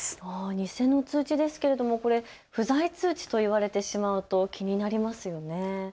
偽の通知ですけれども不在通知と言われてしまうと気になりますよね。